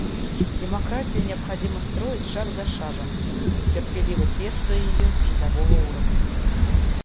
Демократию необходимо строить шаг за шагом, терпеливо пестуя ее с низового уровня.